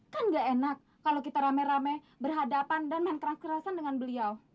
kan gak enak kalau kita rame rame berhadapan dan main keras kerasan dengan beliau